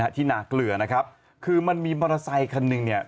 ที่นาเกลือนะครับคือมันมีมอเตอร์ไซคันหนึ่งเนี่ย